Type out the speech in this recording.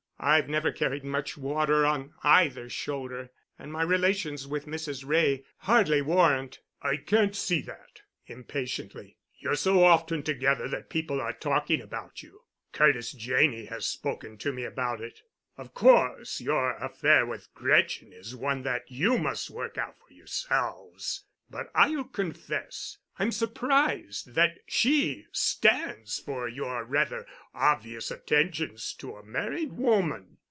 I've never carried much water on either shoulder; and my relations with Mrs. Wray hardly warrant——" "I can't see that," impatiently. "You're so often together that people are talking about you. Curtis Janney has spoken to me about it. Of course, your affair with Gretchen is one that you must work out for yourselves, but I'll confess I'm surprised that she stands for your rather obvious attentions to a married woman."